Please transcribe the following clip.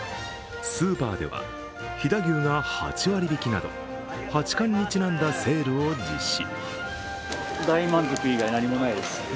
スーパーでは飛騨牛が８割引など八冠にちなんだセールを実施。